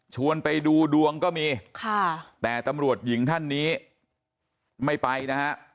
ไปดูดวงก็มีค่ะแต่ตำรวจหญิงท่านนี้ไม่ไปนะฮะ